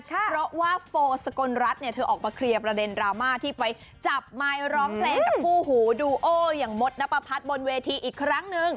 เพราะว่าโฟสกลรัฐเนี่ยเธอออกมาเคลียร์ประเด็นดราม่าที่ไปจับไมค์ร้องเพลงกับคู่หูดูโออย่างมดนับประพัฒน์บนเวทีอีกครั้งนึง